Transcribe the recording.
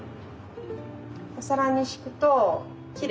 お皿に敷くときれい。